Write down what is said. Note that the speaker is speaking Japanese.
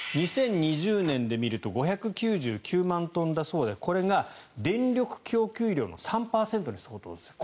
２０２０年で見ると５９９万トンだそうでこれが電力供給量の３％に相当すると。